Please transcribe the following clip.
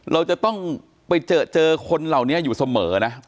เราจะต้องไปเจอคนเหล่านี้อยู่เสมอนะ